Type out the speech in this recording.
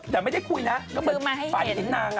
แต่ไม่ได้คุยอย่างนั้นผมมาให้เห็นฟันไบ้ทิ้งหนัง